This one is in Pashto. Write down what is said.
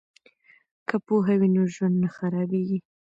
که پوهه وي نو ژوند نه خرابیږي.